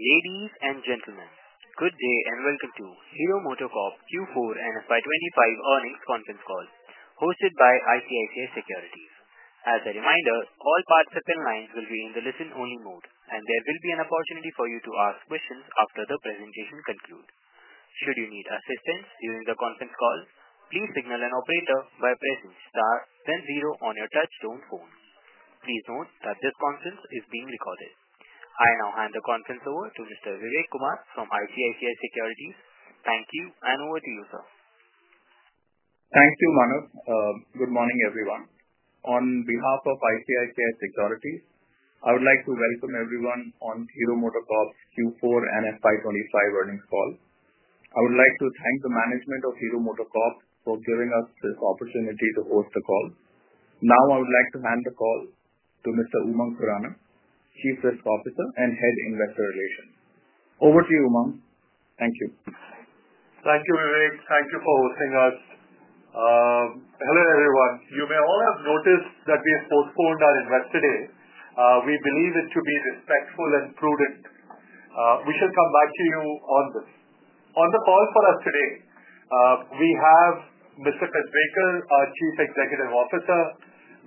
Ladies and gentlemen, good day and welcome to Hero MotoCorp Q4 and FY25 earnings conference call, hosted by ICICI Securities. As a reminder, all participant lines will be in the listen-only mode, and there will be an opportunity for you to ask questions after the presentation concludes. Should you need assistance during the conference call, please signal an operator by pressing star, then zero on your touchstone phone. Please note that this conference is being recorded. I now hand the conference over to Mr. Vivek Kumar from ICICI Securities. Thank you, and over to you, sir. Thank you, Manav. Good morning, everyone. On behalf of ICICI Securities, I would like to welcome everyone on Hero MotoCorp's Q4 and FY25 earnings call. I would like to thank the management of Hero MotoCorp for giving us this opportunity to host the call. Now, I would like to hand the call to Mr. Umang Khurana, Chief Risk Officer and Head Investor Relations. Over to you, Umang. Thank you. Thank you, Vivek. Thank you for hosting us. Hello, everyone. You may all have noticed that we have postponed our investor day. We believe it to be respectful and prudent. We shall come back to you on this. On the call for us today, we have Mr. Kasbekar, our Chief Executive Officer,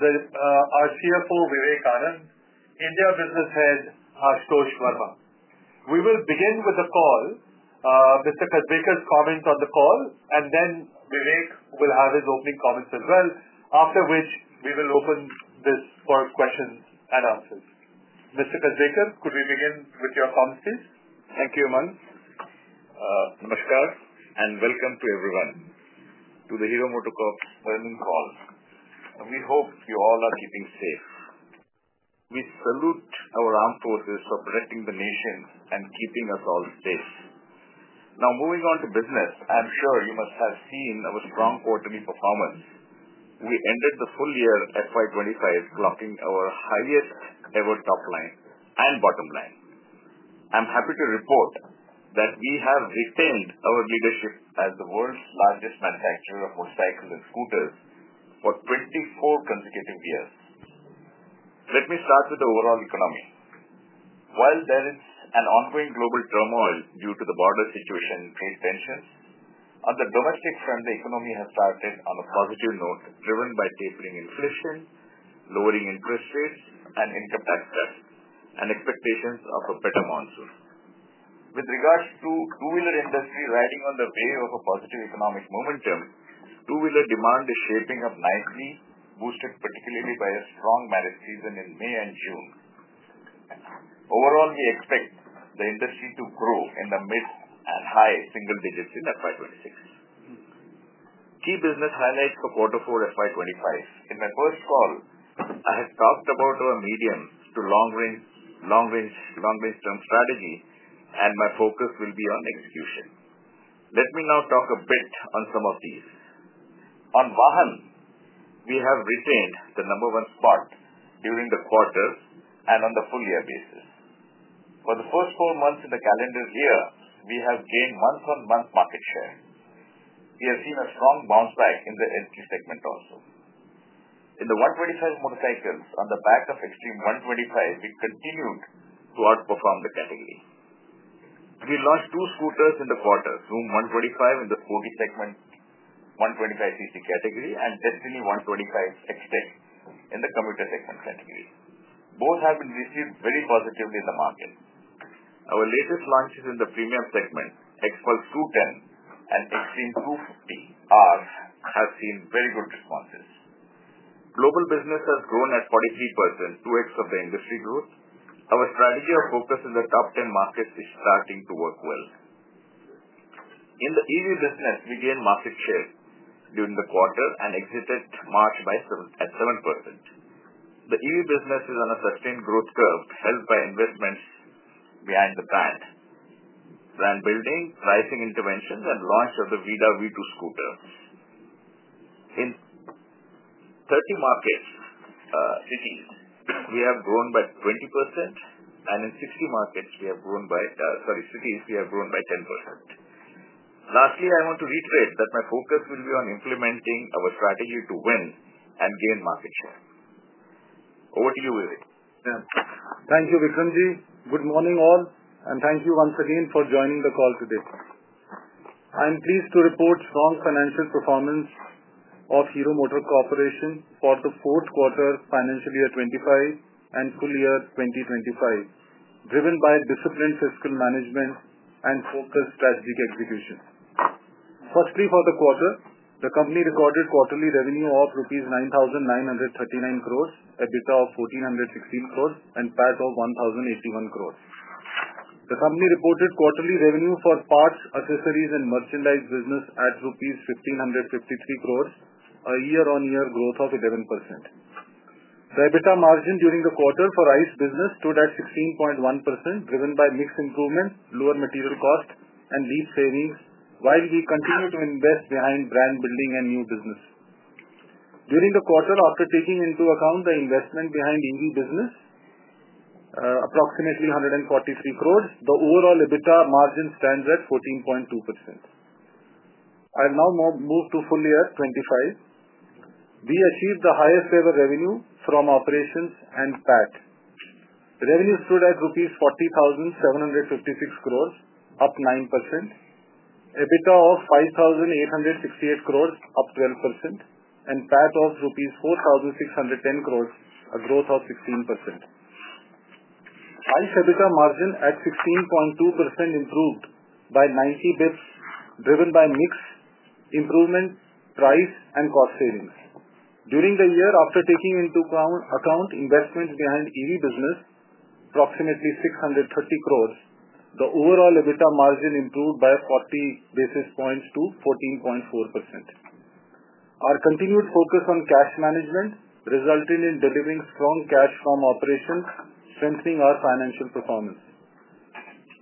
our CFO, Vivek Anand, and India Business Head, Ashutosh Varma. We will begin with the call, Mr. Kasbekar's comments on the call, and then Vivek will have his opening comments as well, after which we will open this for questions and answers. Mr. Kasbekar, could we begin with your comments, please? Thank you, Umang. Namaskar, and welcome to everyone to the Hero MotoCorp earnings call. We hope you all are keeping safe. We salute our armed forces for protecting the nation and keeping us all safe. Now, moving on to business, I'm sure you must have seen our strong quarterly performance. We ended the full year 2025 clocking our highest-ever top line and bottom line. I'm happy to report that we have retained our leadership as the world's largest manufacturer of motorcycles and scooters for 24 consecutive years. Let me start with the overall economy. While there is an ongoing global turmoil due to the border situation and trade tensions, on the domestic front, the economy has started on a positive note, driven by tapering inflation, lowering interest rates, and income tax cuts, and expectations of a better monsoon. With regards to the two-wheeler industry riding on the wave of a positive economic momentum, two-wheeler demand is shaping up nicely, boosted particularly by a strong marriage season in May and June. Overall, we expect the industry to grow in the mid and high single digits in FY2026. Key business highlights for Q4 and FY2025. In my first call, I have talked about our medium to long-range term strategy, and my focus will be on execution. Let me now talk a bit on some of these. On VAHAN, we have retained the number one spot during the quarter and on the full-year basis. For the first four months in the calendar year, we have gained month-on-month market share. We have seen a strong bounce back in the entry segment also. In the 125 motorcycles, on the back of Xtreme 125R, we continued to outperform the category. We launched two scooters in the quarter, Zoom 125 in the 125cc category and Destiny 125 XTech in the commuter segment category. Both have been received very positively in the market. Our latest launches in the premium segment, XPULSE 210 and Extreme 250 R, have seen very good responses. Global business has grown at 43%, 2X of the industry growth. Our strategy of focus in the top 10 markets is starting to work well. In the EV business, we gained market share during the quarter and exited March at 7%. The EV business is on a sustained growth curve held by investments behind the brand, brand building, pricing interventions, and launch of the Vida V2 scooter. In 30 cities, we have grown by 20%, and in 60 cities, we have grown by 10%. Lastly, I want to reiterate that my focus will be on implementing our strategy to win and gain market share. Over to you, Vivek. Thank you, Vikramji. Good morning, all, and thank you once again for joining the call today. I'm pleased to report strong financial performance of Hero MotoCorp for the fourth quarter financial year 2025 and full year 2025, driven by disciplined fiscal management and focused strategic execution. Firstly, for the quarter, the company recorded quarterly revenue of 9,939 crores rupees, EBITDA of 1,416 crores, and PAT of 1,081 crores. The company reported quarterly revenue for parts, accessories, and merchandise business at rupees 1,553 crores, a year-on-year growth of 11%. The EBITDA margin during the quarter for ICE business stood at 16.1%, driven by mix improvements, lower material cost, and LEAP savings, while we continue to invest behind brand building and new business. During the quarter, after taking into account the investment behind EV business, approximately 143 crores, the overall EBITDA margin stands at 14.2%. I'll now move to full year 2025. We achieved the highest-ever revenue from operations and PAT. Revenue stood at INR 40,756 crore, up 9%, EBITDA of 5,868 crore, up 12%, and PAT of rupees 4,610 crore, a growth of 16%. ICE EBITDA margin at 16.2% improved by 90 basis points, driven by mix improvement, price, and cost savings. During the year, after taking into account investments behind EV business, approximately 630 crore, the overall EBITDA margin improved by 40 basis points to 14.4%. Our continued focus on cash management resulted in delivering strong cash from operations, strengthening our financial performance.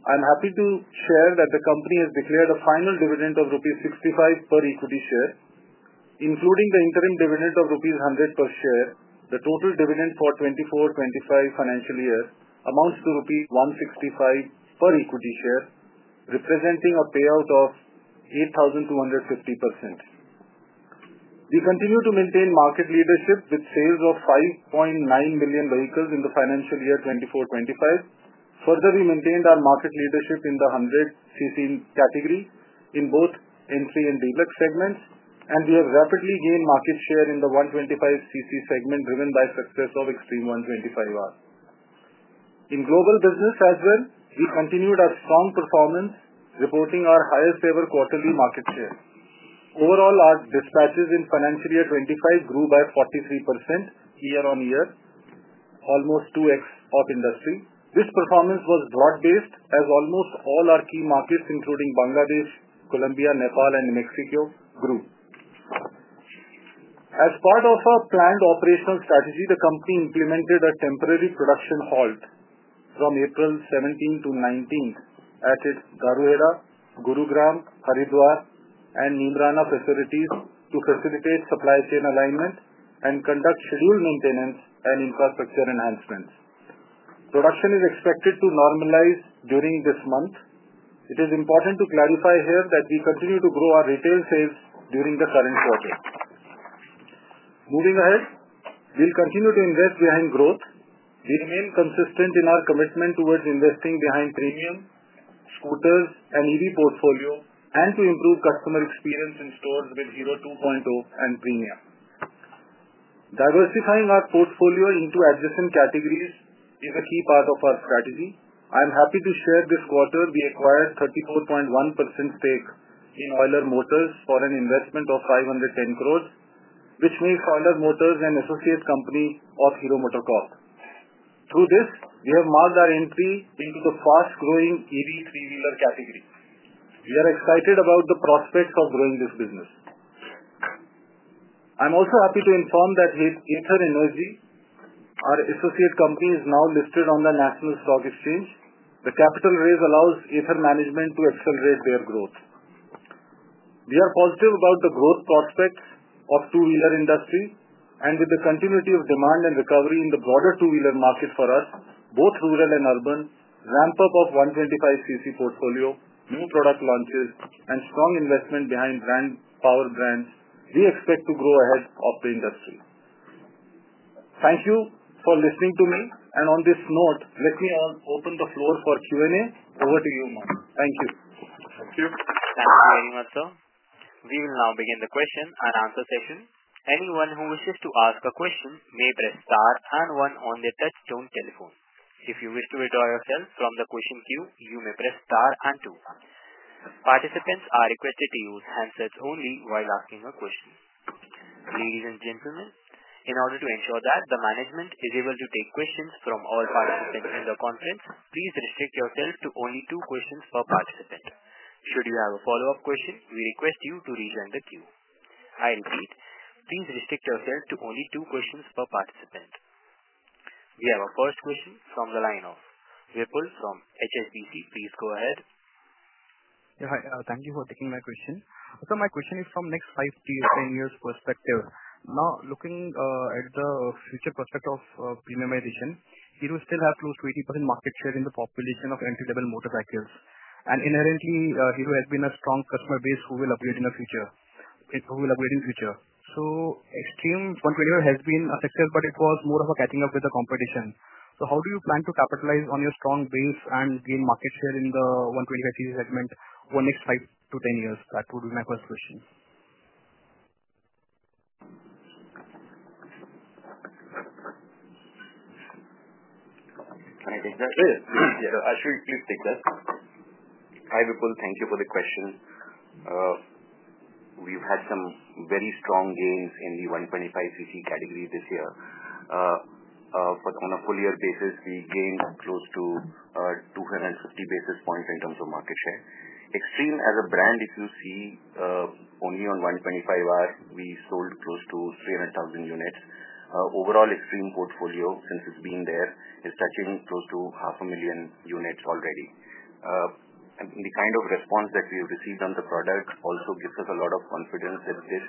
I'm happy to share that the company has declared a final dividend of rupees 65 per equity share. Including the interim dividend of rupees 100 per share, the total dividend for 2024-2025 financial year amounts to rupees 165 per equity share, representing a payout of 8,250%. We continue to maintain market leadership with sales of 5.9 million vehicles in the financial year 2024-2025. Further, we maintained our market leadership in the 100 cc category in both entry and deluxe segments, and we have rapidly gained market share in the 125 cc segment, driven by success of Xtreme 125R. In global business as well, we continued our strong performance, reporting our highest-ever quarterly market share. Overall, our dispatches in financial year 2025 grew by 43% year-on-year, almost 2X of industry. This performance was broad-based, as almost all our key markets, including Bangladesh, Colombia, Nepal, and New Mexico, grew. As part of our planned operational strategy, the company implemented a temporary production halt from April 17 to 19 at its Gurugram, Haridwar, and Neemrana facilities to facilitate supply chain alignment and conduct scheduled maintenance and infrastructure enhancements. Production is expected to normalize during this month. It is important to clarify here that we continue to grow our retail sales during the current quarter. Moving ahead, we'll continue to invest behind growth. We remain consistent in our commitment towards investing behind premium scooters and EV portfolio and to improve customer experience in stores with Hero 2.0 and Premium. Diversifying our portfolio into adjacent categories is a key part of our strategy. I'm happy to share this quarter we acquired a 34.1% stake in Euler Motors for an investment of 510 crore, which makes Euler Motors an associate company of Hero MotoCorp. Through this, we have marked our entry into the fast-growing EV three-wheeler category. We are excited about the prospects of growing this business. I'm also happy to inform that with Ather Energy, our associate company is now listed on the National Stock Exchange. The capital raise allows Ather management to accelerate their growth. We are positive about the growth prospects of the two-wheeler industry, and with the continuity of demand and recovery in the broader two-wheeler market for us, both rural and urban, ramp-up of the 125cc portfolio, new product launches, and strong investment behind brand power brands, we expect to grow ahead of the industry. Thank you for listening to me, and on this note, let me open the floor for Q&A. Over to you, Umang. Thank you. Thank you. Thank you very much, sir. We will now begin the question and answer session. Anyone who wishes to ask a question may press star and one on the touchstone telephone. If you wish to withdraw yourself from the question queue, you may press star and two. Participants are requested to use handsets only while asking a question. Ladies and gentlemen, in order to ensure that the management is able to take questions from all participants in the conference, please restrict yourself to only two questions per participant. Should you have a follow-up question, we request you to rejoin the queue. I repeat, please restrict yourself to only two questions per participant. We have a first question from the line of Vipul from HSBC. Please go ahead. Yeah, hi. Thank you for taking my question. Sir, my question is from the next five to ten years' perspective. Now, looking at the future prospect of premiumization, Hero still has close to 80% market share in the population of entry-level motorcycles, and inherently, Hero has been a strong customer base who will upgrade in the future, who will upgrade in the future. Extreme 125 has been a success, but it was more of a catching up with the competition. How do you plan to capitalize on your strong base and gain market share in the 125 cc segment over the next five to ten years? That would be my first question. Can I take that, please? Yes. Yeah. Ashutosh, please take that. Hi, Vipul. Thank you for the question. We've had some very strong gains in the 125 cc category this year. On a full-year basis, we gained close to 250 basis points in terms of market share. Xtreme, as a brand, if you see, only on 125R, we sold close to 300,000 units. Overall, Xtreme portfolio, since it's been there, is touching close to 500,000 units already. The kind of response that we have received on the product also gives us a lot of confidence that this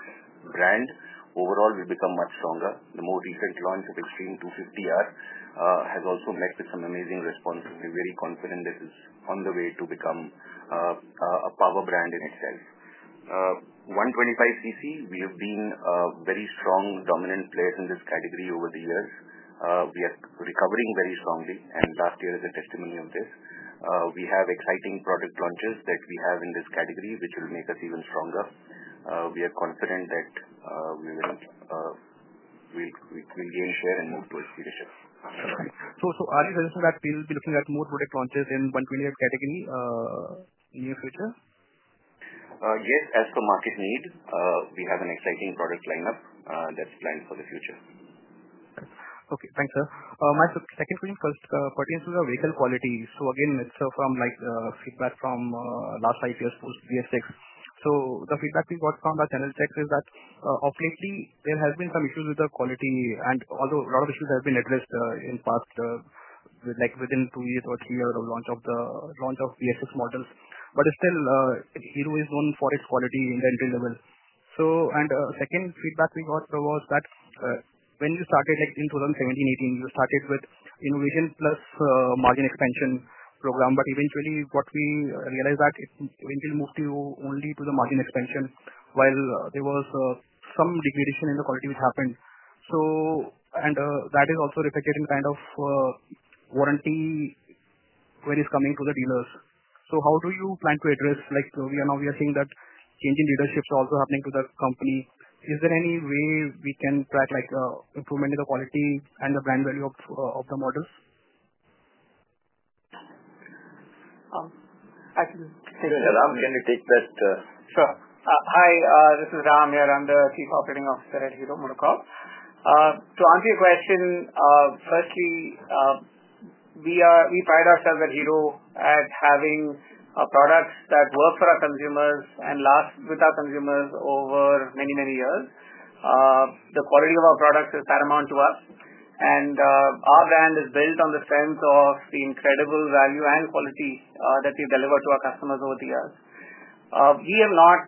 brand overall will become much stronger. The more recent launch of Xtreme 250R has also met with some amazing response. We're very confident that it's on the way to become a power brand in itself. 125 cc, we have been a very strong, dominant player in this category over the years. We are recovering very strongly, and last year is a testimony of this. We have exciting product launches that we have in this category, which will make us even stronger. We are confident that we will gain share and move towards leadership. Are you suggesting that we will be looking at more product launches in the 125 category in the near future? Yes, as per market need, we have an exciting product lineup that's planned for the future. Okay. Thanks, sir. My second question pertains to the vehicle quality. Again, it's from feedback from the last five years, post VSX. The feedback we got from the channel checks is that, of late, there have been some issues with the quality, and although a lot of issues have been addressed in the past, like within two years or three years of launch of the VSX models, Hero is known for its quality in the entry level. The second feedback we got was that when we started in 2017-2018, we started with Innovision Plus margin expansion program, but eventually, what we realized is that it eventually moved only to the margin expansion, while there was some degradation in the quality which happened. That is also reflected in kind of warranty when it's coming to the dealers. How do you plan to address? We are now seeing that changing leadership is also happening to the company. Is there any way we can track improvement in the quality and the brand value of the models? Yeah, I'm going to take that. Sure. Hi, this is Ram here. I'm the Chief Operating Officer at Hero MotoCorp. To answer your question, firstly, we pride ourselves at Hero at having products that work for our consumers and last with our consumers over many, many years. The quality of our products is paramount to us, and our brand is built on the strength of the incredible value and quality that we've delivered to our customers over the years. We have not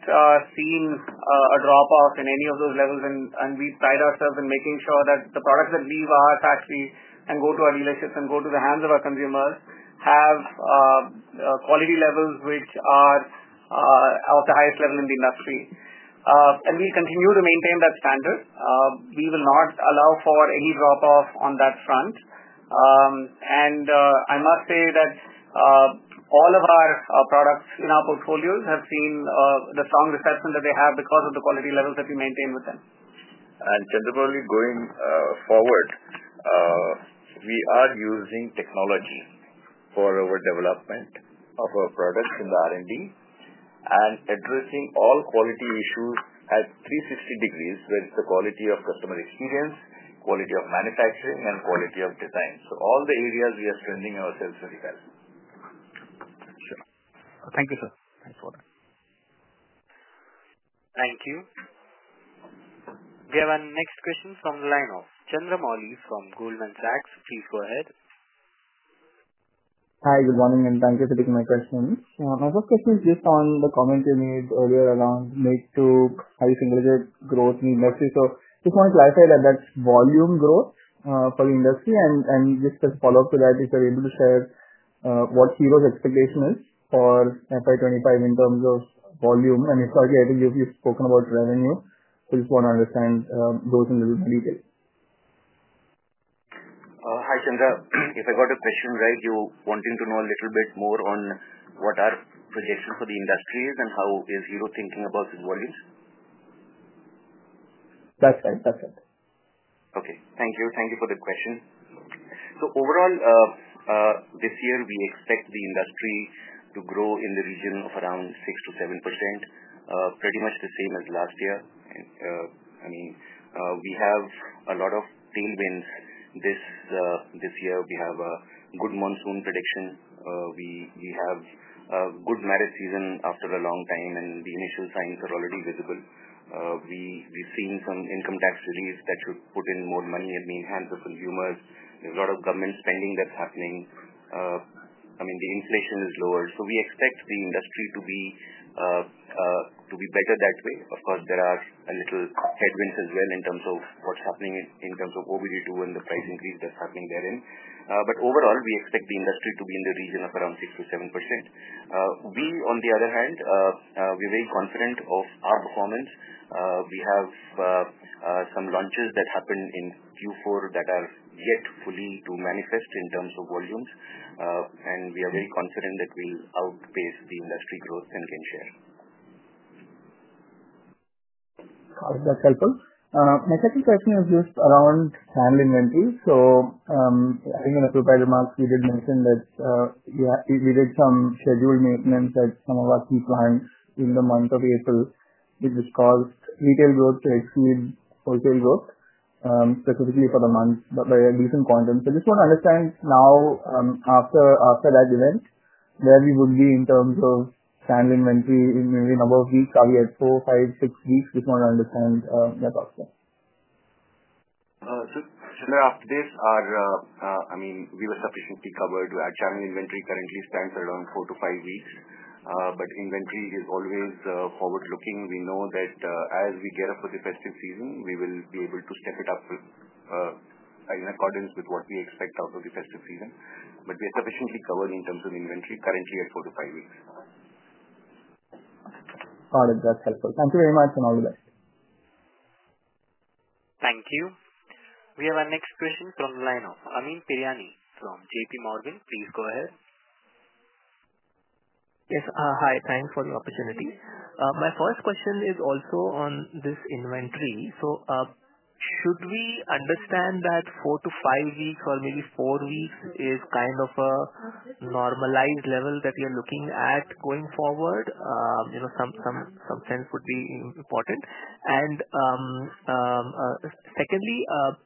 seen a drop-off in any of those levels, and we pride ourselves in making sure that the products that leave our factory and go to our dealerships and go to the hands of our consumers have quality levels which are of the highest level in the industry. We continue to maintain that standard. We will not allow for any drop-off on that front. I must say that all of our products in our portfolios have seen the strong reception that they have because of the quality levels that we maintain with them. Generally, going forward, we are using technology for our development of our products in the R&D and addressing all quality issues at 360 degrees, whether it's the quality of customer experience, quality of manufacturing, and quality of design. All the areas we are strengthening ourselves very well. Sure. Thank you, sir. Thanks for that. Thank you. We have a next question from the line of Chandramouli from Goldman Sachs. Please go ahead. Hi, good morning, and thank you for taking my question. My first question is based on the comment you made earlier around mid to high single-year growth in the industry. Just want to clarify that that's volume growth for the industry. Just as a follow-up to that, if you're able to share what Hero's expectation is for FY2025 in terms of volume. Historically, I think you've spoken about revenue. Just want to understand those in a little more detail. Hi, Chandra. If I got your question right, you're wanting to know a little bit more on what our projections for the industry are and how Hero is thinking about its volumes? That's right. That's right. Okay. Thank you. Thank you for the question. So, overall, this year, we expect the industry to grow in the region of around 6-7%, pretty much the same as last year. I mean, we have a lot of tailwinds this year. We have a good monsoon prediction. We have a good marriage season after a long time, and the initial signs are already visible. We've seen some income tax relief that should put in more money in the hands of consumers. There's a lot of government spending that's happening. I mean, the inflation is lower. We expect the industry to be better that way. Of course, there are a little headwinds as well in terms of what's happening in terms of OBD2 and the price increase that's happening therein. Overall, we expect the industry to be in the region of around 6-7%. We, on the other hand, are very confident of our performance. We have some launches that happened in Q4 that are yet fully to manifest in terms of volumes, and we are very confident that we will outpace the industry growth and gain share. That's helpful. My second question is just around channel inventory. I think in a few prior remarks, we did mention that we did some scheduled maintenance at some of our key plants in the month of April, which has caused retail growth to exceed wholesale growth, specifically for the month, by a decent quantum. I just want to understand now, after that event, where we would be in terms of channel inventory in maybe a number of weeks. Are we at four, five, six weeks? I just want to understand that also. Chandra, up to date, I mean, we were sufficiently covered. Our channel inventory currently stands around four to five weeks, but inventory is always forward-looking. We know that as we gear up for the festive season, we will be able to step it up in accordance with what we expect out of the festive season. We are sufficiently covered in terms of inventory, currently at four to five weeks. All right. That's helpful. Thank you very much, and all the best. Thank you. We have our next question from the line of Amyn Pirani from J.P. Morgan. Please go ahead. Yes. Hi. Thanks for the opportunity. My first question is also on this inventory. Should we understand that four to five weeks or maybe four weeks is kind of a normalized level that we are looking at going forward? Some sense would be important. Secondly,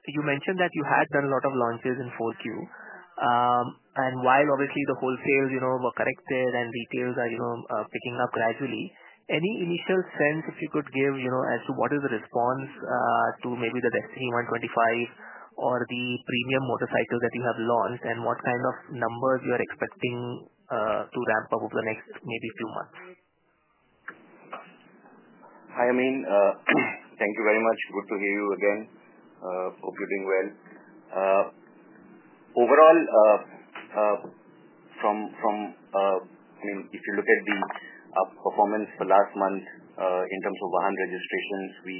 you mentioned that you had done a lot of launches in Q4. While, obviously, the wholesales were corrected and retails are picking up gradually, any initial sense if you could give as to what is the response to maybe the Destiny 125 or the premium motorcycle that you have launched and what kind of numbers you are expecting to ramp up over the next few months? Hi, Amyn. Thank you very much. Good to hear you again. Hope you're doing well. Overall, from, I mean, if you look at the performance for last month in terms of VAHAN registrations, we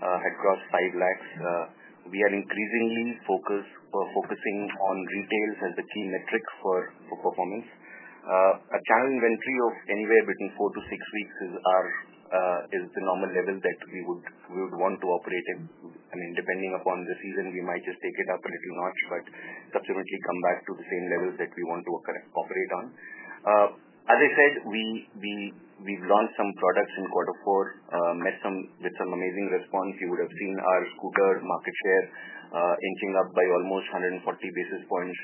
had crossed 500,000. We are increasingly focusing on retails as the key metric for performance. A channel inventory of anywhere between four to six weeks is the normal level that we would want to operate in. I mean, depending upon the season, we might just take it up a little notch but subsequently come back to the same levels that we want to operate on. As I said, we've launched some products in quarter four, met with some amazing response. You would have seen our scooter market share inching up by almost 140 basis points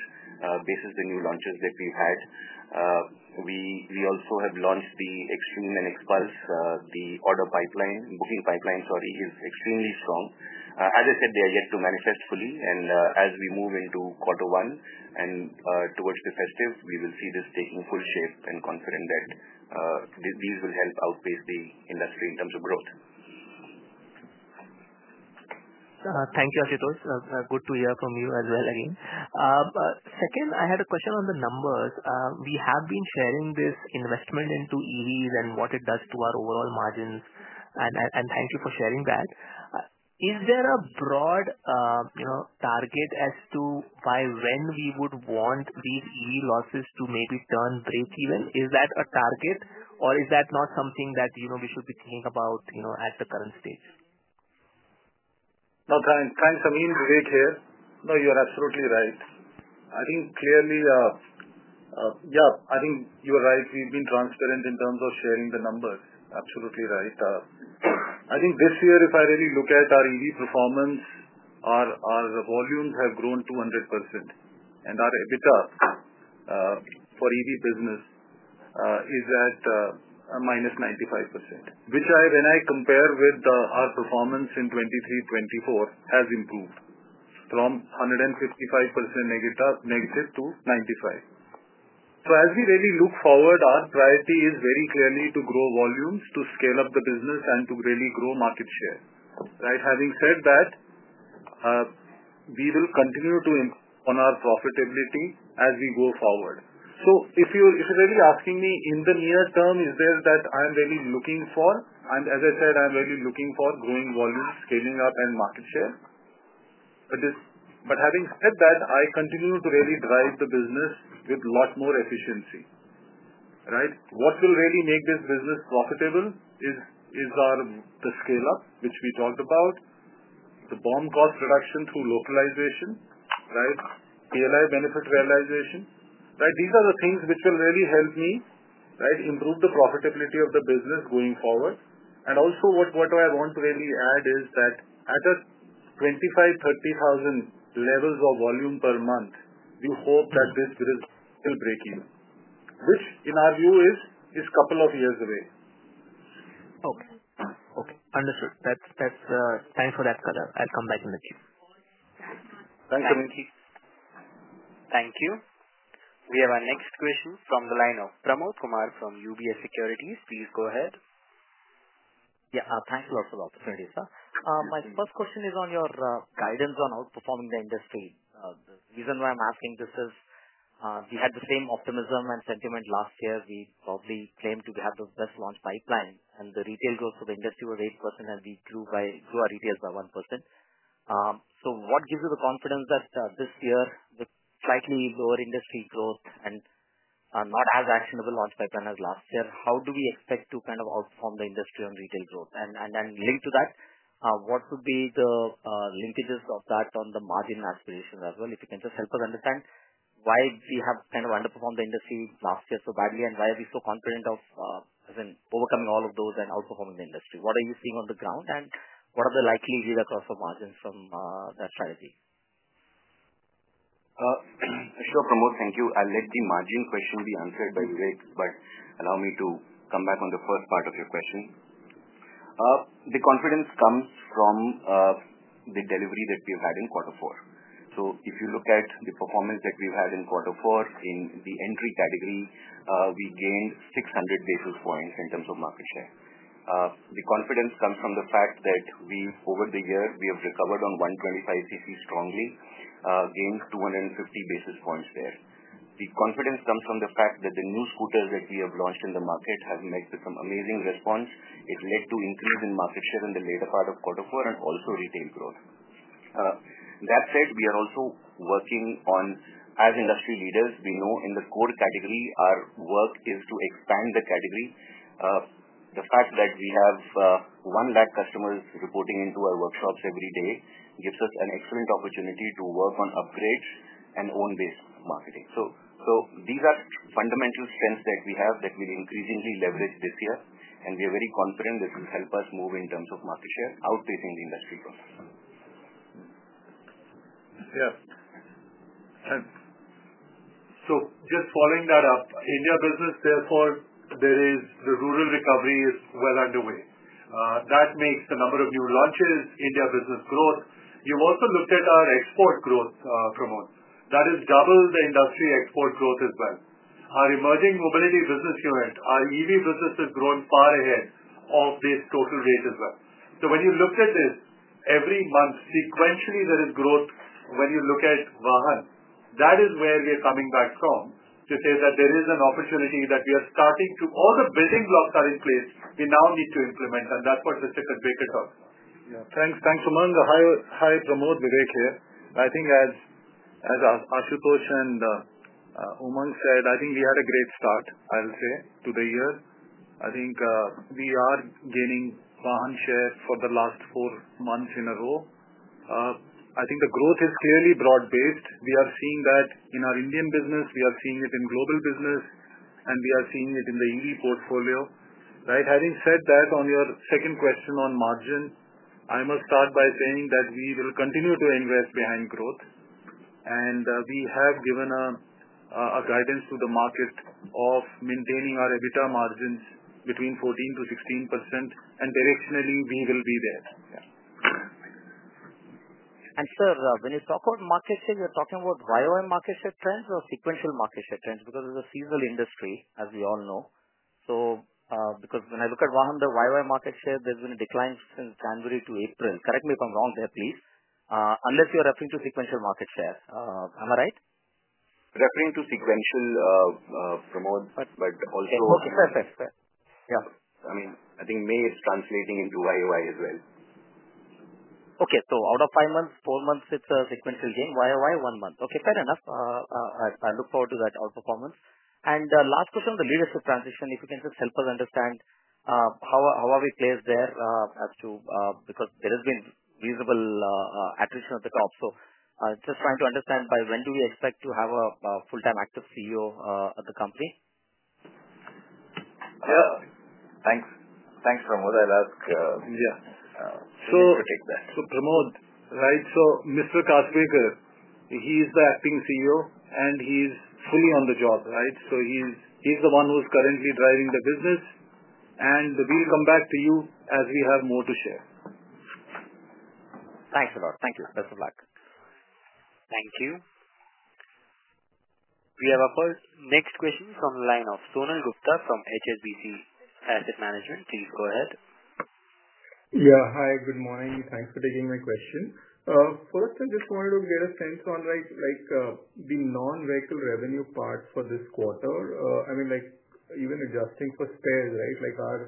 basis the new launches that we've had. We also have launched the Xtreme and XPULSE. The order pipeline, booking pipeline, sorry, is extremely strong. As I said, they are yet to manifest fully. As we move into quarter one and towards the festive, we will see this taking full shape and confident that these will help outpace the industry in terms of growth. Thank you, Ashutosh. Good to hear from you as well again. Second, I had a question on the numbers. We have been sharing this investment into EVs and what it does to our overall margins. Thank you for sharing that. Is there a broad target as to by when we would want these EV losses to maybe turn breakeven? Is that a target, or is that not something that we should be thinking about at the current stage? Thanks, Amyn. Vivek here. No, you are absolutely right. I think clearly, yeah, I think you are right. We have been transparent in terms of sharing the numbers. Absolutely right. I think this year, if I really look at our EV performance, our volumes have grown 200%. And our EBITDA for EV business is at minus 95%, which, when I compare with our performance in 2023-2024, has improved from 155% negative to 95%. As we really look forward, our priority is very clearly to grow volumes, to scale up the business, and to really grow market share. Right? Having said that, we will continue to improve on our profitability as we go forward. If you are really asking me in the near term, is there that I am really looking for? As I said, I am really looking for growing volumes, scaling up, and market share. Having said that, I continue to really drive the business with a lot more efficiency. Right? What will really make this business profitable is the scale-up, which we talked about, the BOM cost reduction through localization, right, PLI benefit realization. Right? These are the things which will really help me improve the profitability of the business going forward. Also, what I want to really add is that at a 25,000-30,000 levels of volume per month, we hope that this will break even, which, in our view, is a couple of years away. Okay. Okay. Understood. Thanks for that, Chandra. I'll come back in a bit. Thanks, Amyn. Thank you. We have our next question from the line of Pramod Kumar from UBS Securities. Please go ahead. Yeah. Thanks a lot for the opportunity, sir. My first question is on your guidance on outperforming the industry. The reason why I'm asking this is we had the same optimism and sentiment last year. We probably claimed to have the best launch pipeline, and the retail growth for the industry was 8%, and we grew our retails by 1%. What gives you the confidence that this year, with slightly lower industry growth and not as actionable launch pipeline as last year, how do we expect to kind of outperform the industry on retail growth? Linked to that, what would be the linkages of that on the margin aspirations as well? If you can just help us understand why we have kind of underperformed the industry last year so badly and why are we so confident of, as in, overcoming all of those and outperforming the industry? What are you seeing on the ground, and what are the likely read across of margins from that strategy? Sure, Pramod. Thank you. I'll let the margin question be answered by Vivek, but allow me to come back on the first part of your question. The confidence comes from the delivery that we've had in quarter four. If you look at the performance that we've had in quarter four, in the entry category, we gained 600 basis points in terms of market share. The confidence comes from the fact that over the year, we have recovered on 125 cc strongly, gained 250 basis points there. The confidence comes from the fact that the new scooters that we have launched in the market have met with some amazing response. It led to an increase in market share in the later part of quarter four and also retail growth. That said, we are also working on, as industry leaders, we know in the core category, our work is to expand the category. The fact that we have 100,000 customers reporting into our workshops every day gives us an excellent opportunity to work on upgrades and own-based marketing. These are fundamental strengths that we have that we will increasingly leverage this year. We are very confident this will help us move in terms of market share, outpacing the industry growth. Yeah. So, just following that up, India business, therefore, the rural recovery is well underway. That makes the number of new launches, India business growth. You've also looked at our export growth, Pramod. That is double the industry export growth as well. Our emerging mobility business unit, our EV business has grown far ahead of this total rate as well. So, when you looked at this, every month, sequentially, there is growth when you look at VAHAN. That is where we are coming back from to say that there is an opportunity that we are starting to—all the building blocks are in place. We now need to implement, and that's what Mr. Kasbekar talked about. Yeah. Thanks, Umang. Hi, Pramod. Vivek here. I think, as Ashutosh and Umang said, I think we had a great start, I will say, to the year. I think we are gaining VAHAN share for the last four months in a row. I think the growth is clearly broad-based. We are seeing that in our Indian business. We are seeing it in global business, and we are seeing it in the EV portfolio. Right? Having said that, on your second question on margin, I must start by saying that we will continue to invest behind growth. We have given a guidance to the market of maintaining our EBITDA margins between 14-16%. Directionally, we will be there. Sir, when you talk about market share, you're talking about YOI market share trends or sequential market share trends? Because it's a seasonal industry, as we all know. Because when I look at VAHAN, the YOI market share, there's been a decline since January to April. Correct me if I'm wrong there, please, unless you're referring to sequential market share. Am I right? Referring to sequential, Pramod, but also. Okay. Fair, fair, fair. Yeah. I mean, I think May is translating into YOI as well. Okay. Out of five months, four months, it's a sequential gain. Year on year, one month. Okay. Fair enough. I look forward to that outperformance. Last question, the leadership transition. If you can just help us understand how are we placed there as to, because there has been reasonable attrition at the top. Just trying to understand by when do we expect to have a full-time active CEO at the company? Yeah. Thanks. Thanks, Pramod. I'll ask Vivek to take that. Pramod, right? Mr. Kasbekar, he's the acting CEO, and he's fully on the job, right? He's the one who's currently driving the business. We'll come back to you as we have more to share. Thanks a lot. Thank you. Best of luck. Thank you. We have our next question from the line of Sonal Gupta from HSBC Asset Management. Please go ahead. Yeah. Hi. Good morning. Thanks for taking my question. First, I just wanted to get a sense on the non-vehicle revenue part for this quarter. I mean, even adjusting for spares, right?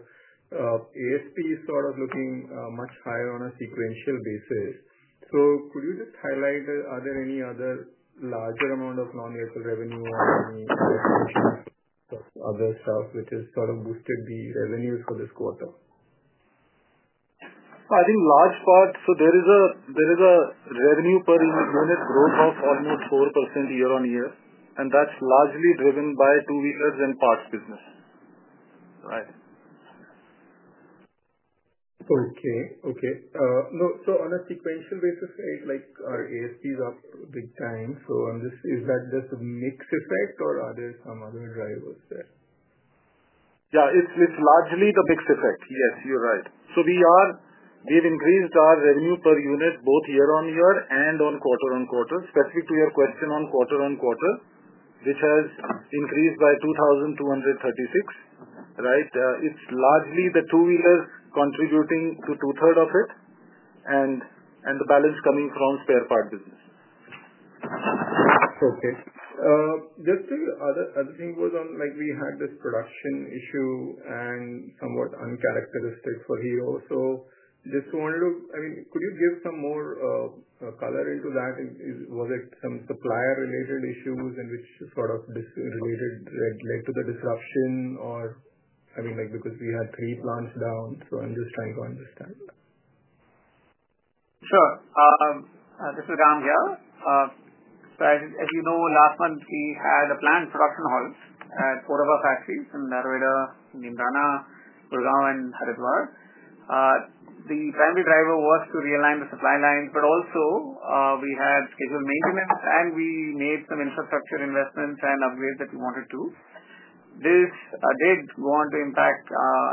Our ASP is sort of looking much higher on a sequential basis. Could you just highlight, are there any other larger amount of non-vehicle revenue or any other stuff which has sort of boosted the revenues for this quarter? I think large part, there is a revenue per unit growth of almost 4% year on year. That is largely driven by two-wheelers and parts business. Right? Okay. Okay. On a sequential basis, our ASPs are big time. Is that just a mix effect, or are there some other drivers there? Yeah. It's largely the mix effect. Yes, you're right. We've increased our revenue per unit both year on year and quarter on quarter. Specific to your question on quarter on quarter, which has increased by 2,236. Right? It's largely the two-wheelers contributing to two-thirds of it and the balance coming from spare part business. Okay. Just to add a thing on, we had this production issue and somewhat uncharacteristic for Hero. Just wanted to—I mean, could you give some more color into that? Was it some supplier-related issues in which sort of this related led to the disruption or—I mean, because we had three plants down. I'm just trying to understand. Sure. This is Ram. As you know, last month, we had a planned production halt at four of our factories in Neemrana, Gurugram, and Haridwar. The primary driver was to realign the supply lines, but also, we had scheduled maintenance, and we made some infrastructure investments and upgrades that we wanted to. This did go on to impact,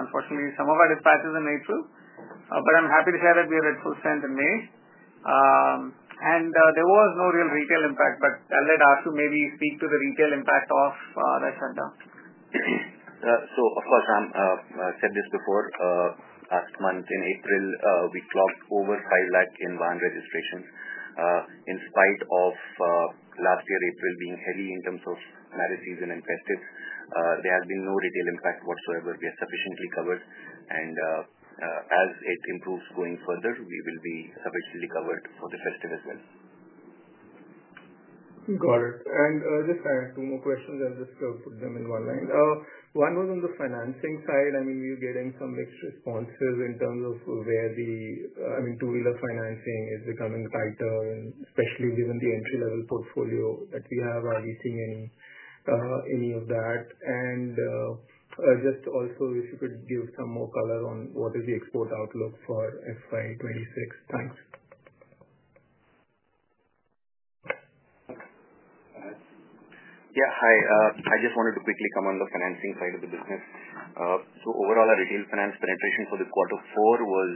unfortunately, some of our dispatches in April. I am happy to share that we are at full strength in May. There was no real retail impact, but I will let Ashu maybe speak to the retail impact of that shutdown. Of course, I said this before. Last month, in April, we clocked over 500,000 in VAHAN registrations in spite of last year, April, being heavy in terms of marriages and festives. There has been no retail impact whatsoever. We are sufficiently covered. As it improves going further, we will be sufficiently covered for the festive as well. Got it. Just two more questions. I'll just put them in one line. One was on the financing side. I mean, we're getting some mixed responses in terms of where the, I mean, two-wheeler financing is becoming tighter, especially given the entry-level portfolio that we have. Are we seeing any of that? Also, if you could give some more color on what is the export outlook for FY2026. Thanks. Yeah. Hi. I just wanted to quickly come on the financing side of the business. So, overall, our retail finance penetration for the quarter four was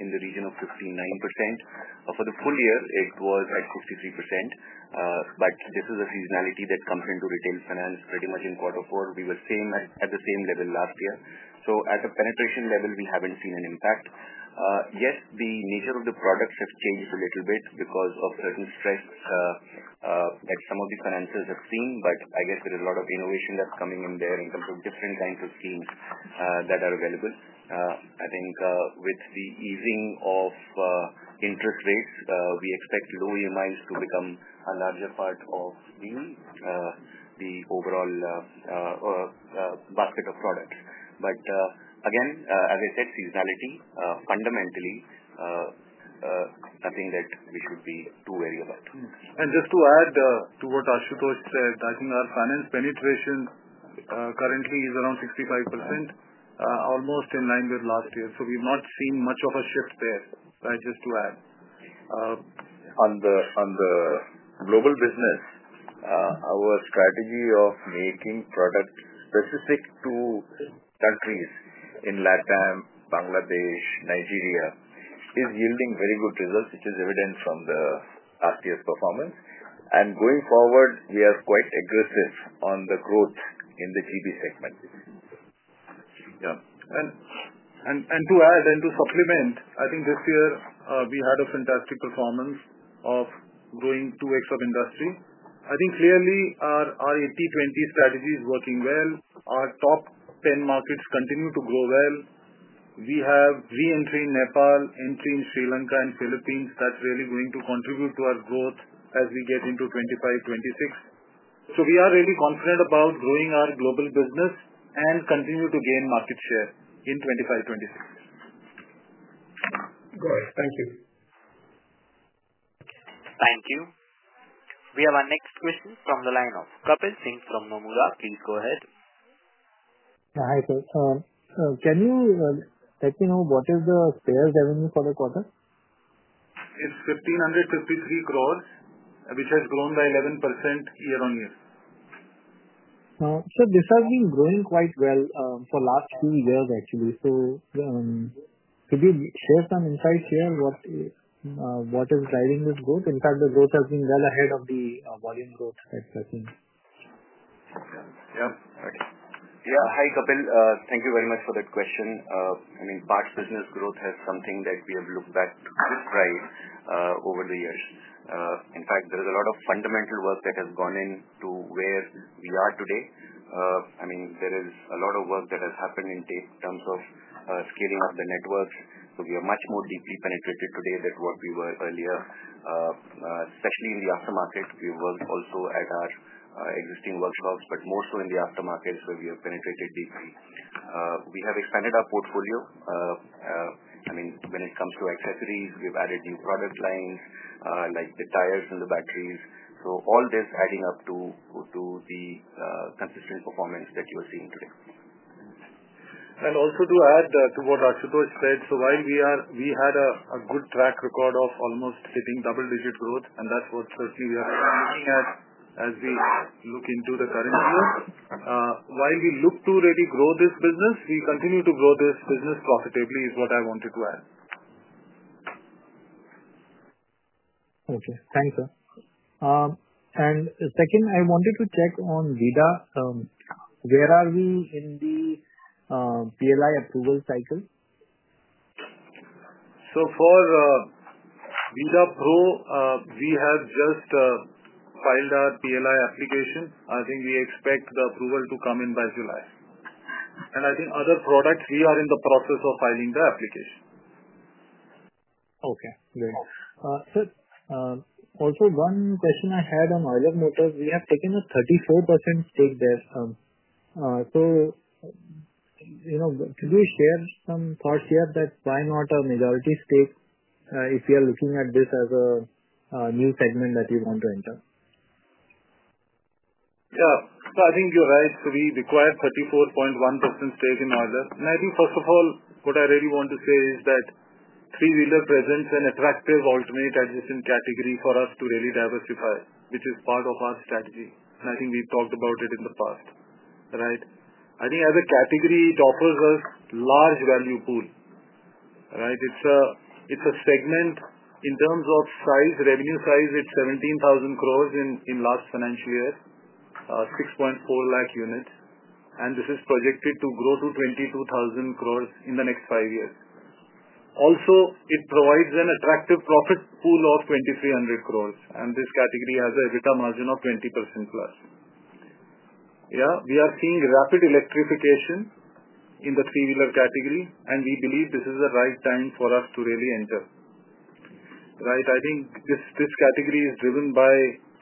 in the region of 59%. For the full year, it was at 63%. This is a seasonality that comes into retail finance pretty much in quarter four. We were at the same level last year. At the penetration level, we have not seen an impact. Yes, the nature of the products has changed a little bit because of certain stress that some of the financiers have seen. I guess there is a lot of innovation that is coming in there in terms of different kinds of schemes that are available. I think with the easing of interest rates, we expect low EMIs to become a larger part of the overall basket of products. Again, as I said, seasonality, fundamentally, nothing that we should be too wary about. Just to add to what Ashutosh said, I think our finance penetration currently is around 65%, almost in line with last year. We have not seen much of a shift there. Right? Just to add. On the global business, our strategy of making products specific to countries in LatAm, Bangladesh, Nigeria is yielding very good results, which is evident from the last year's performance. Going forward, we are quite aggressive on the growth in the GB segment. Yeah. To add and to supplement, I think this year, we had a fantastic performance of growing two-export industry. I think clearly our 80/20 strategy is working well. Our top 10 markets continue to grow well. We have re-entry in Nepal, entry in Sri Lanka and Philippines. That is really going to contribute to our growth as we get into 2025/2026. We are really confident about growing our global business and continue to gain market share in 2025/2026. Got it. Thank you. Thank you. We have our next question from the line of Kapil Singh from Nomura. Please go ahead. Yeah. Hi, sir. Can you let me know what is the spares revenue for the quarter? It's 1,553 crore, which has grown by 11% year on year. Sir, this has been growing quite well for the last few years, actually. Could you share some insights here on what is driving this growth? In fact, the growth has been well ahead of the volume growth that's happening. Yeah. Yeah. Hi, Kapil. Thank you very much for that question. I mean, parts business growth has something that we have looked back to describe over the years. In fact, there is a lot of fundamental work that has gone into where we are today. I mean, there is a lot of work that has happened in terms of scaling up the networks. We are much more deeply penetrated today than what we were earlier, especially in the aftermarket. We worked also at our existing workshops, but more so in the aftermarket, where we have penetrated deeply. We have expanded our portfolio. I mean, when it comes to accessories, we've added new product lines like the tires and the batteries. All this adding up to the consistent performance that you are seeing today. Also, to add to what Ashutosh said, while we had a good track record of almost hitting double-digit growth, and that is what certainly we are looking at as we look into the current year, while we look to really grow this business, we continue to grow this business profitably is what I wanted to add. Okay. Thanks, sir. Second, I wanted to check on Vida. Where are we in the PLI approval cycle? For Vida Pro, we have just filed our PLI application. I think we expect the approval to come in by July. I think other products, we are in the process of filing the application. Okay. Great. Sir, also one question I had on Euler Motors. We have taken a 34% stake there. Could you share some thoughts here that why not a majority stake if you are looking at this as a new segment that you want to enter? Yeah. I think you're right. We acquired a 34.1% stake in Euler Motors. First of all, what I really want to say is that three-wheeler presents an attractive alternate adjacent category for us to really diversify, which is part of our strategy. I think we've talked about it in the past, right? I think as a category, it offers us a large value pool, right? It's a segment in terms of size. Revenue size, it's 17,000 crore in the last financial year, 640,000 units. This is projected to grow to 22,000 crore in the next five years. Also, it provides an attractive profit pool of 2,300 crore. This category has an EBITDA margin of 20% plus. Yeah. We are seeing rapid electrification in the three-wheeler category, and we believe this is the right time for us to really enter, right? I think this category is driven by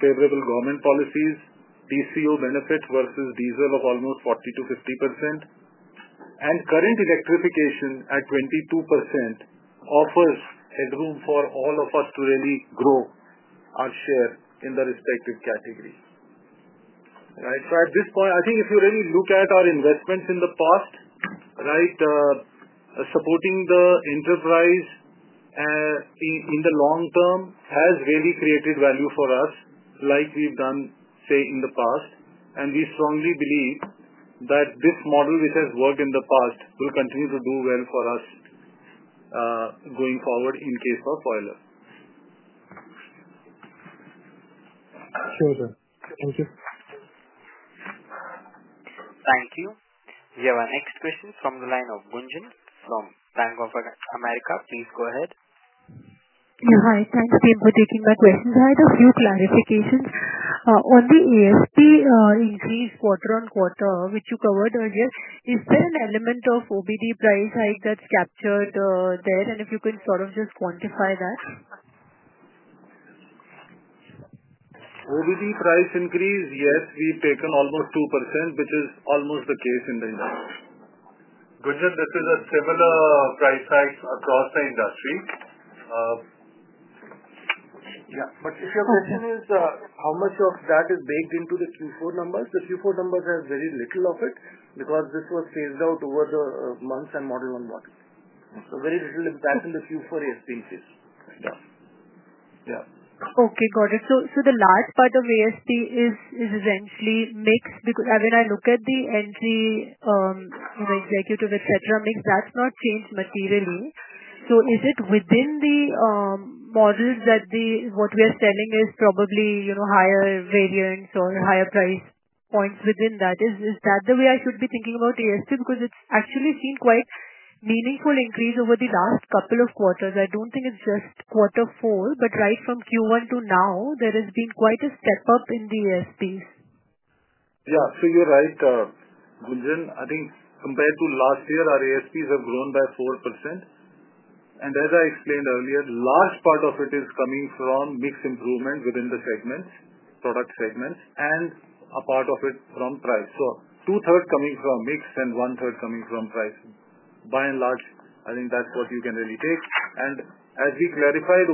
favorable government policies, TCO benefit versus diesel of almost 40%-50%. Current electrification at 22% offers headroom for all of us to really grow our share in the respective categories. Right? At this point, I think if you really look at our investments in the past, supporting the enterprise in the long term has really created value for us like we've done, say, in the past. We strongly believe that this model, which has worked in the past, will continue to do well for us going forward in case of Euler Motors. Sure, sir. Thank you. Thank you. We have our next question from the line of Gunjan from Bank of America. Please go ahead. Yeah. Hi. Thanks again for taking my questions. I had a few clarifications. On the ASP increase quarter on quarter, which you covered earlier, is there an element of OBD price hike that's captured there? If you can sort of just quantify that. OBD2 price increase, yes, we've taken almost 2%, which is almost the case in the industry. Gunjan, this is a similar price hike across the industry. Yeah. If your question is how much of that is baked into the Q4 numbers, the Q4 numbers have very little of it because this was phased out over the months and model on model. Very little impact in the Q4 ASP increase. Yeah. Yeah. Okay. Got it. The large part of ASP is essentially mix because when I look at the entry executive, etc., mix, that's not changed materially. Is it within the models that what we are selling is probably higher variants or higher price points within that? Is that the way I should be thinking about ASP because it's actually seen quite a meaningful increase over the last couple of quarters. I don't think it's just quarter four, but right from Q1 to now, there has been quite a step up in the ASPs. Yeah. So, you're right, Gunjan. I think compared to last year, our ASPs have grown by 4%. And as I explained earlier, large part of it is coming from mix improvement within the segments, product segments, and a part of it from price. So, two-thirds coming from mix and one-third coming from price. By and large, I think that's what you can really take. And as we clarified,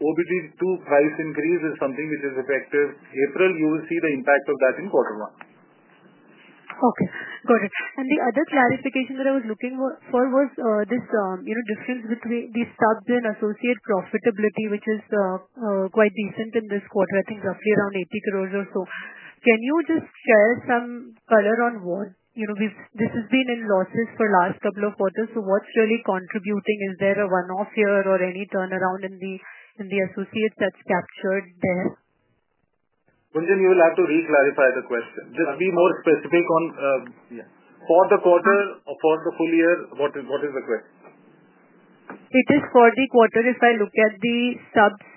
OBD2 price increase is something which is effective. April, you will see the impact of that in quarter one. Okay. Got it. The other clarification that I was looking for was this difference between the sub-brand associate profitability, which is quite decent in this quarter, I think roughly around 80 crore or so. Can you just share some color on what this has been in losses for the last couple of quarters? What's really contributing? Is there a one-off here or any turnaround in the associates that's captured there? Gunjan, you will have to re-clarify the question. Just be more specific on for the quarter or for the full year, what is the question? It is for the quarter. If I look at the subs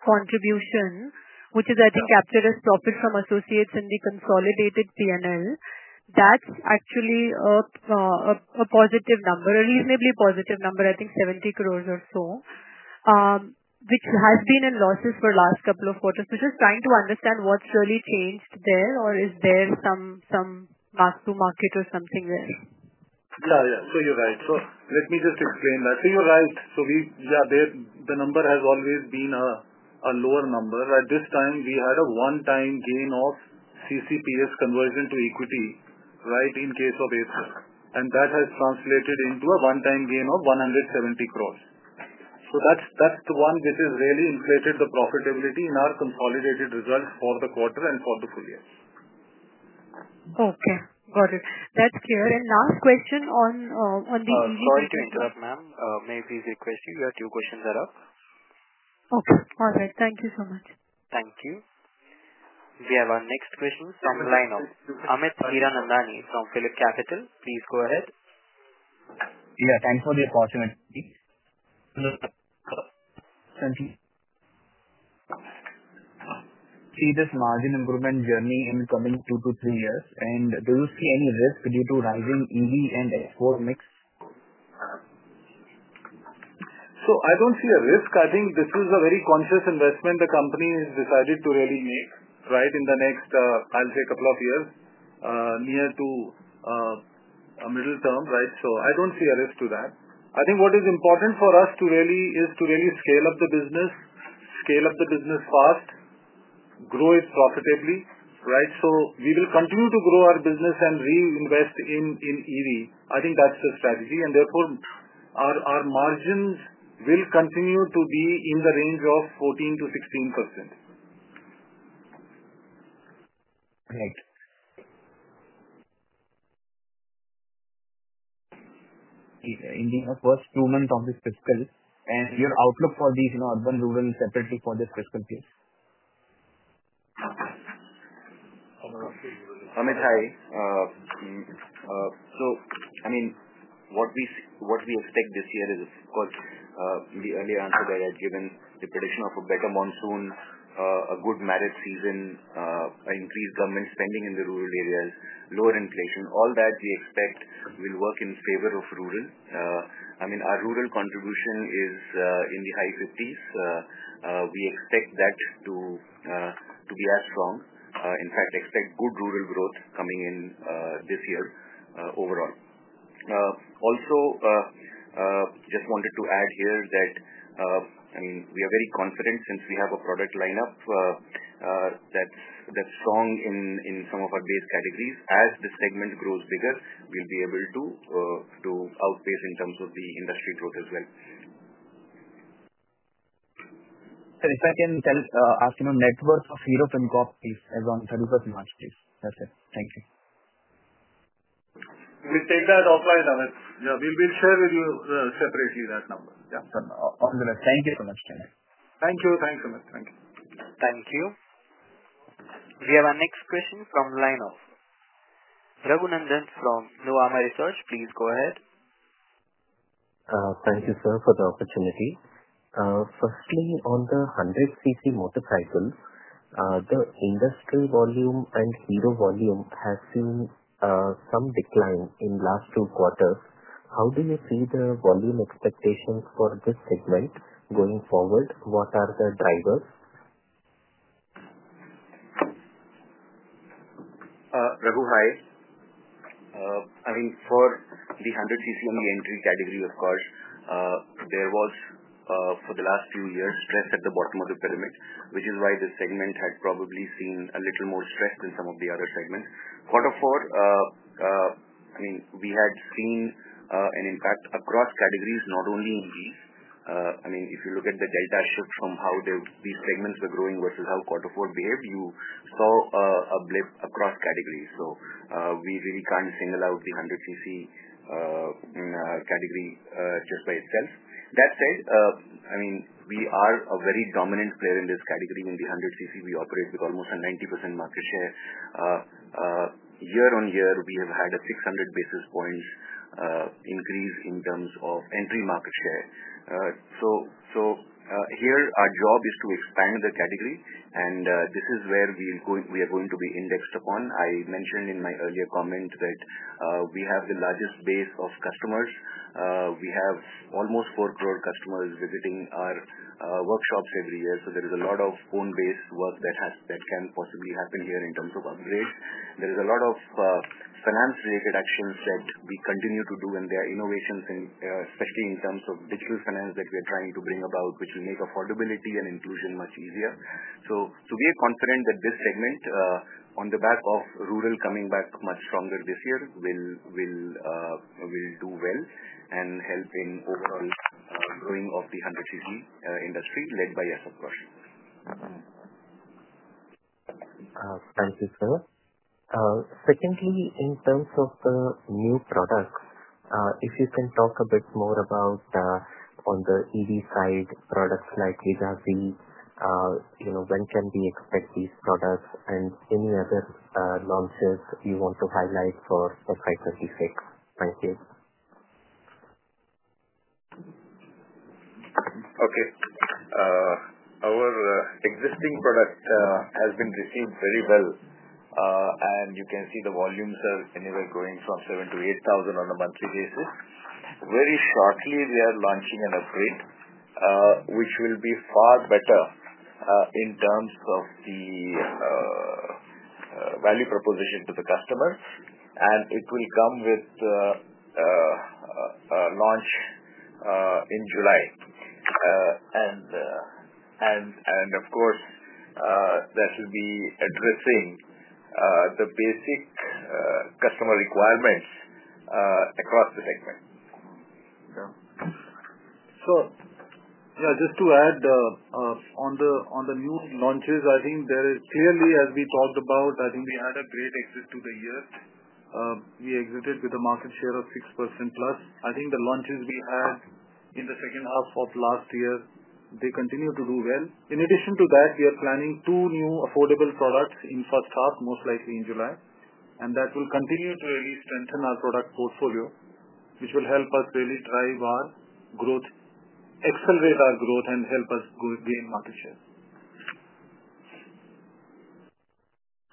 contribution, which is, I think, captured as profit from associates in the consolidated P&L, that's actually a positive number, a reasonably positive number, I think 70 crore or so, which has been in losses for the last couple of quarters. We're just trying to understand what's really changed there, or is there some back to market or something there? Yeah. Yeah. You're right. Let me just explain that. You're right. The number has always been a lower number. At this time, we had a one-time gain of CCPS conversion to equity, right, in case of ASP. That has translated into a one-time gain of 170 crore. That's the one which has really inflated the profitability in our consolidated results for the quarter and for the full year. Okay. Got it. That is clear. Last question on the EV. Sorry to interrupt, ma'am. May I please request you? You have two questions that are. Okay. All right. Thank you so much. Thank you. We have our next question from the line of Amit Kiranandani from PhilipCapital. Please go ahead. Yeah. Thanks for the opportunity. Thank you. See this margin improvement journey in the coming two to three years, and do you see any risk due to rising EV and export mix? I do not see a risk. I think this is a very conscious investment the company has decided to really make, right, in the next, I will say, couple of years, near to a middle term. Right? I do not see a risk to that. I think what is important for us is to really scale up the business, scale up the business fast, grow it profitably. Right? We will continue to grow our business and reinvest in EV. I think that is the strategy. Therefore, our margins will continue to be in the range of 14%-16%. Great. In the first two months of this fiscal, and your outlook for these urban-rural separately for this fiscal year? Amit, hi. I mean, what we expect this year is, of course, the earlier answer that I had given, the prediction of a better monsoon, a good marriage season, increased government spending in the rural areas, lower inflation. All that we expect will work in favor of rural. I mean, our rural contribution is in the high 50s. We expect that to be as strong. In fact, expect good rural growth coming in this year overall. Also, just wanted to add here that, I mean, we are very confident since we have a product lineup that's strong in some of our base categories. As the segment grows bigger, we'll be able to outpace in terms of the industry growth as well. If I can tell you, asking on net worth of Hero MotoCorp, please, as on 31 March, please. That's it. Thank you. We'll take that offline, Amit. Yeah. We'll share with you separately that number. Yeah. On the list. Thank you so much. Thank you. Thank you. Thanks so much. Thank you. Thank you. We have our next question from the line of Raghunandan from Nuvama Research. Please go ahead. Thank you, sir, for the opportunity. Firstly, on the 100cc motorcycle, the industry volume and Hero volume has seen some decline in the last two quarters. How do you see the volume expectations for this segment going forward? What are the drivers? Raghu, hi. I mean, for the 100cc and the entry category, of course, there was, for the last few years, stress at the bottom of the pyramid, which is why this segment had probably seen a little more stress than some of the other segments. Quarter four, I mean, we had seen an impact across categories, not only in EVs. I mean, if you look at the delta shift from how these segments were growing versus how quarter four behaved, you saw a blip across categories. We really can't single out the 100cc category just by itself. That said, I mean, we are a very dominant player in this category. In the 100cc, we operate with almost a 90% market share. Year on year, we have had a 600 basis points increase in terms of entry market share. Here, our job is to expand the category, and this is where we are going to be indexed upon. I mentioned in my earlier comment that we have the largest base of customers. We have almost 40 million customers visiting our workshops every year. There is a lot of phone-based work that can possibly happen here in terms of upgrades. There is a lot of finance-related actions that we continue to do, and there are innovations, especially in terms of digital finance that we are trying to bring about, which will make affordability and inclusion much easier. We are confident that this segment, on the back of rural coming back much stronger this year, will do well and help in overall growing of the 100 cc industry led by us, of course. Thank you, sir. Secondly, in terms of the new products, if you can talk a bit more about on the EV side, products like VIDA V2, when can we expect these products, and any other launches you want to highlight for 2026? Thank you. Okay. Our existing product has been received very well, and you can see the volumes are anywhere going from 7,000-8,000 on a monthly basis. Very shortly, we are launching an upgrade, which will be far better in terms of the value proposition to the customers. It will come with a launch in July. Of course, that will be addressing the basic customer requirements across the segment. Yeah. So, yeah, just to add, on the new launches, I think there is clearly, as we talked about, I think we had a great exit to the year. We exited with a market share of 6% plus. I think the launches we had in the second half of last year, they continue to do well. In addition to that, we are planning two new affordable products in first half, most likely in July. That will continue to really strengthen our product portfolio, which will help us really drive our growth, accelerate our growth, and help us gain market share.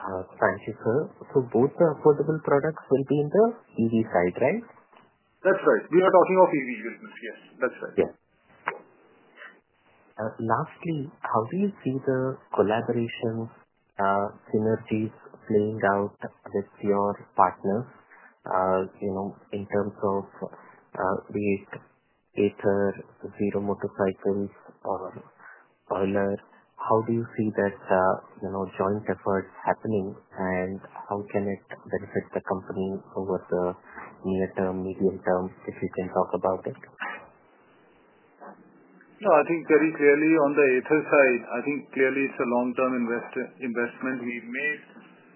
Thank you, sir. Both the affordable products will be in the EV side, right? That's right. We are talking of EV units. Yes. That's right. Yeah. Lastly, how do you see the collaborations, synergies playing out with your partners in terms of the ASR, Zero Motorcycles, or Euler? How do you see that joint efforts happening, and how can it benefit the company over the near term, medium term, if you can talk about it? Yeah. I think very clearly on the ASR side, I think clearly it's a long-term investment we've made.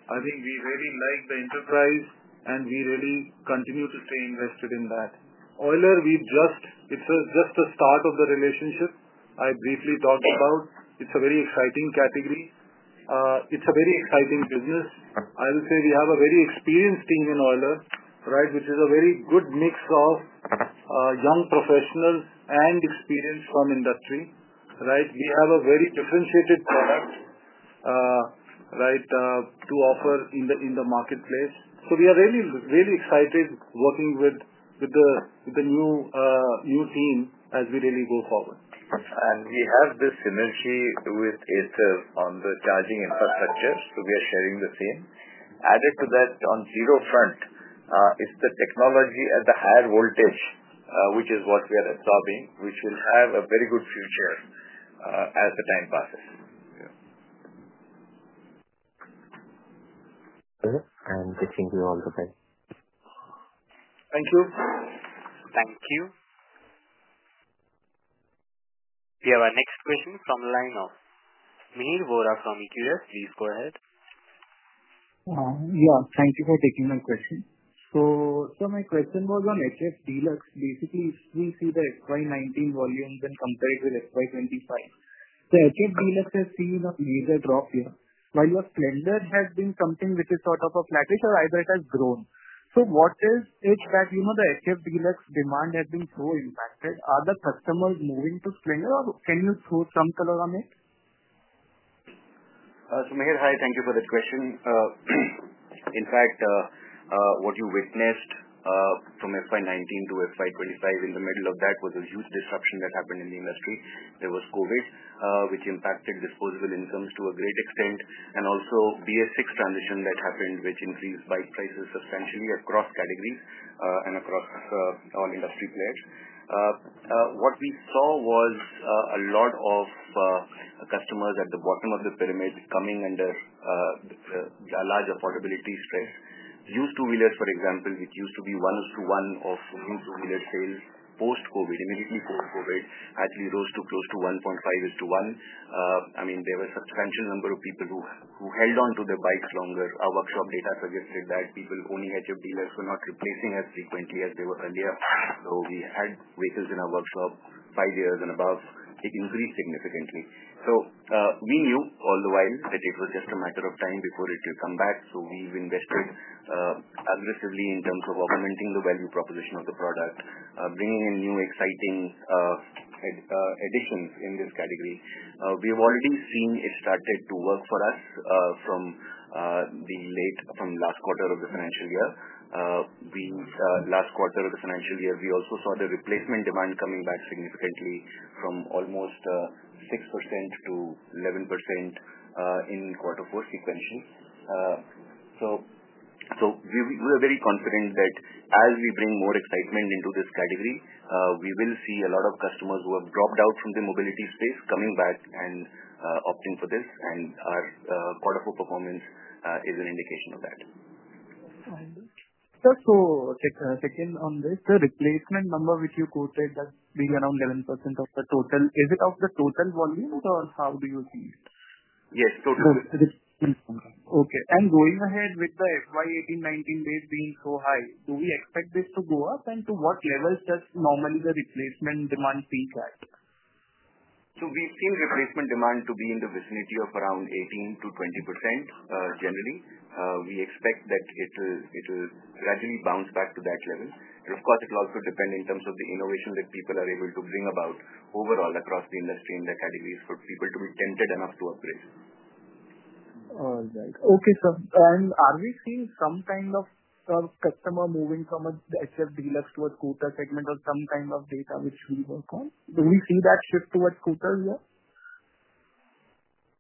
I think we really like the enterprise, and we really continue to stay invested in that. Euler, it's just the start of the relationship I briefly talked about. It's a very exciting category. It's a very exciting business. I would say we have a very experienced team in Euler, right, which is a very good mix of young professionals and experienced from industry. Right? We have a very differentiated product, right, to offer in the marketplace. We are really excited working with the new team as we really go forward. We have the synergy with Ather on the charging infrastructure. We are sharing the same. Added to that, on Zero front, it is the technology at the higher voltage, which is what we are absorbing, which will have a very good future as the time passes. I think we're all good. Thank you. Thank you. We have our next question from the line of Mineer Bhora from EQS. Please go ahead. Yeah. Thank you for taking my question. My question was on HF Deluxe. Basically, if we see the XY19 volumes and compare it with XY25, the HF Deluxe has seen a major drop here. While your Splendor has been something which is sort of flattish, or has it grown? What is it that the HF Deluxe demand has been so impacted? Are the customers moving to Splendor, or can you throw some color on it? Mineer, hi. Thank you for that question. In fact, what you witnessed from FY 2019 to FY 2025 in the middle of that was a huge disruption that happened in the industry. There was COVID, which impacted disposable incomes to a great extent, and also BS6 transition that happened, which increased bike prices substantially across categories and across all industry players. What we saw was a lot of customers at the bottom of the pyramid coming under a large affordability stress. Used two-wheelers, for example, which used to be 1:1 of used two-wheeler sales post-COVID, immediately post-COVID, actually rose to close to 1.5:1. I mean, there were a substantial number of people who held on to their bikes longer. Our workshop data suggested that people owning HF Deluxe were not replacing as frequently as they were earlier. We had vehicles in our workshop five years and above. It increased significantly. We knew all the while that it was just a matter of time before it would come back. We have invested aggressively in terms of augmenting the value proposition of the product, bringing in new exciting additions in this category. We have already seen it started to work for us from the last quarter of the financial year. Last quarter of the financial year, we also saw the replacement demand coming back significantly from almost 6% to 11% in quarter four sequential. We are very confident that as we bring more excitement into this category, we will see a lot of customers who have dropped out from the mobility space coming back and opting for this. Our quarter four performance is an indication of that. Just to check in on this, the replacement number which you quoted, that's being around 11% of the total. Is it of the total volumes, or how do you see it? Yes. Total. The replacement. Okay. Going ahead with the FY 2018-2019 base being so high, do we expect this to go up, and to what level does normally the replacement demand peak at? We've seen replacement demand to be in the vicinity of around 18%-20% generally. We expect that it will gradually bounce back to that level. Of course, it will also depend in terms of the innovation that people are able to bring about overall across the industry in the categories for people to be tempted enough to upgrade. All right. Okay, sir. Are we seeing some kind of customer moving from the HF Deluxe towards scooter segment or some kind of data which we work on? Do we see that shift towards scooters yet?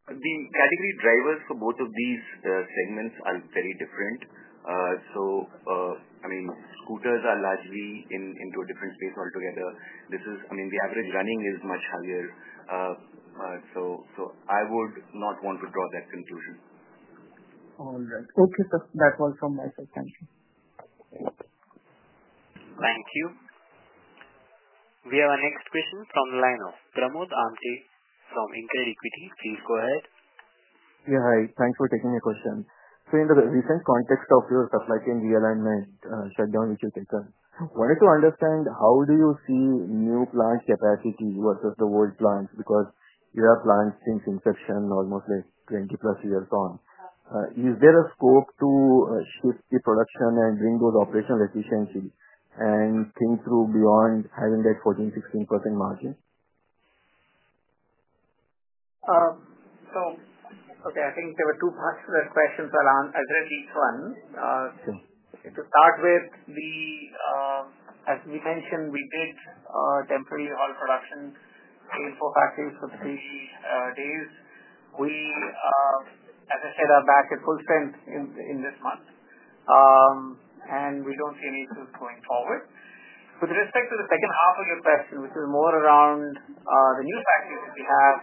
The category drivers for both of these segments are very different. I mean, scooters are largely into a different space altogether. I mean, the average running is much higher. I would not want to draw that conclusion. All right. Okay, sir. That was from my side. Thank you. Thank you. We have our next question from the line of Pramod Amthe from InCred Equity. Please go ahead. Yeah, hi. Thanks for taking my question. In the recent context of your supply chain realignment shutdown which you've taken, I wanted to understand how do you see new plant capacity versus the old plants because your plant seems in section almost like 20-plus years on. Is there a scope to shift the production and bring those operational efficiencies and think through beyond having that 14%-16% margin? Okay, I think there were two particular questions around either of these ones. To start with, as we mentioned, we did temporarily halt production in four factories for three days. We, as I said, are back at full strength in this month, and we do not see any issues going forward. With respect to the second half of your question, which is more around the new factories that we have,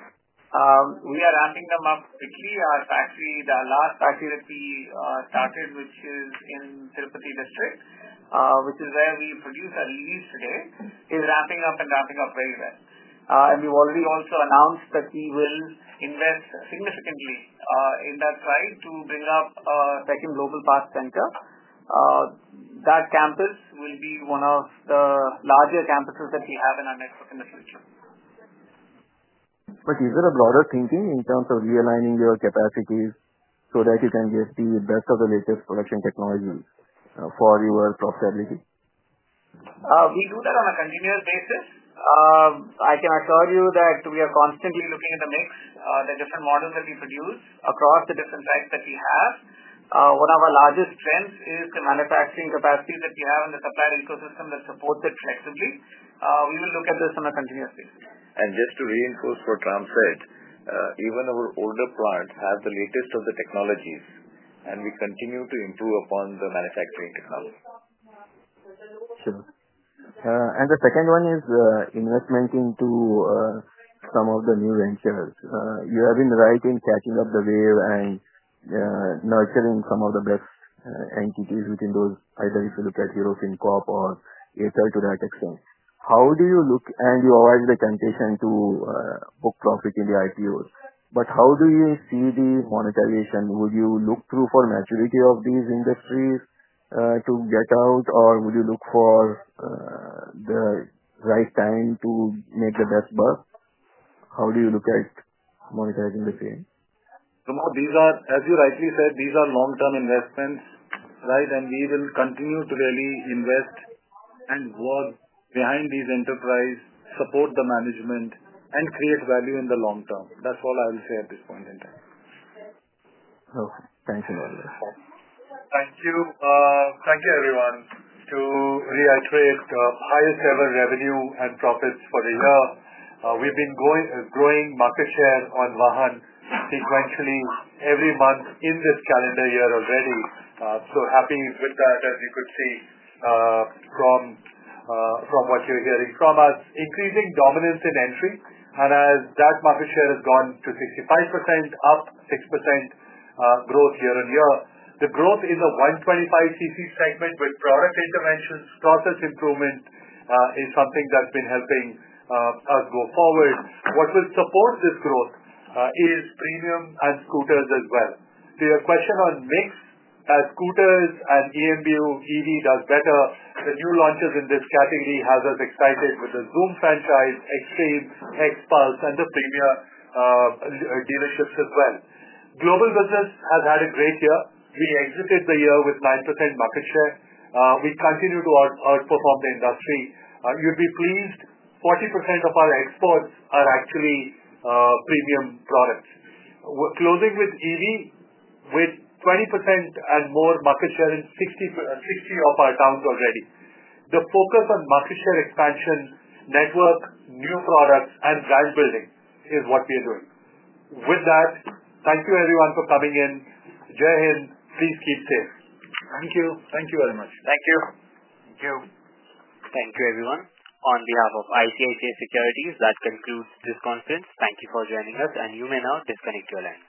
we are ramping them up quickly. Our last factory that we started, which is in Tirupati District, which is where we produce our EVs today, is ramping up and ramping up very well. We have already also announced that we will invest significantly in that site to bring up a second local park center. That campus will be one of the larger campuses that we have in our network in the future. Is there a broader thinking in terms of re-aligning your capacities so that you can get the best of the latest production technologies for your profitability? We do that on a continuous basis. I can assure you that we are constantly looking at the mix, the different models that we produce across the different sites that we have. One of our largest strengths is the manufacturing capacities that we have in the supplier ecosystem that supports it flexibly. We will look at this on a continuous basis. Just to reinforce what Ram said, even our older plants have the latest of the technologies, and we continue to improve upon the manufacturing technology. Sure. The second one is investment into some of the new ventures. You have been right in catching up the wave and nurturing some of the best entities within those, either if you look at Eurofin Corp or ASR to that extent. How do you look and you avoid the temptation to book profit in the IPOs? How do you see the monetization? Would you look through for maturity of these industries to get out, or would you look for the right time to make the best buck? How do you look at monetizing the same? Pramod, as you rightly said, these are long-term investments, right? We will continue to really invest and work behind these enterprises, support the management, and create value in the long term. That's all I will say at this point in time. Okay. Thank you, sir. Thank you. Thank you, everyone. To reiterate, highest ever revenue and profits for the year. We've been growing market share on VAHAN sequentially every month in this calendar year already. Happy with that, as you could see from what you're hearing from us. Increasing dominance in entry, and as that market share has gone to 65%, up 6% growth year on year. The growth in the 125cc segment with product interventions, process improvement is something that's been helping us go forward. What will support this growth is premium and scooters as well. To your question on mix, as scooters and EMBU EV does better, the new launches in this category have us excited with the Zoom franchise, Xtreme, XPULSE, and the Premier dealerships as well. Global business has had a great year. We exited the year with 9% market share. We continue to outperform the industry. You'd be pleased, 40% of our exports are actually premium products. Closing with EV with 20% and more market share in 60 of our towns already. The focus on market share expansion, network, new products, and brand building is what we are doing. With that, thank you, everyone, for coming in. Jai Hind, please keep safe. Thank you. Thank you very much. Thank you. Thank you. Thank you, everyone. On behalf of ICICI Securities, that concludes this conference. Thank you for joining us, and you may now disconnect your line.